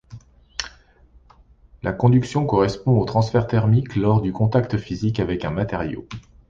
La conduction correspond au transfert thermique lors du contact physique avec un matériau.